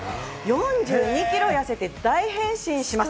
４２キロ痩せて大変身します。